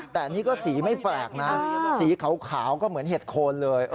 แต่นี่ก็สีไม่แปลกนะสีขาวก็เหมือนเห็ดโคนเลย